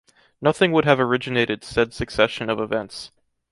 Nothing would have originated said succession of events.